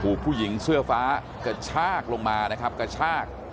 ผู้หญิงเสื้อฟ้ากระชากลงมานะครับกระชาก